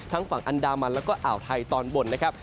ฝั่งอันดามันแล้วก็อ่าวไทยตอนบนนะครับ